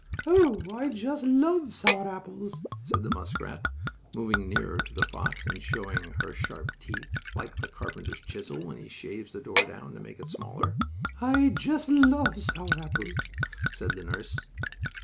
"Oh, I just love sour apples," said the muskrat, moving nearer to the fox, and showing her sharp teeth, like the carpenter's chisel when he shaves the door down to make it smaller. "I just love sour apples," said the nurse.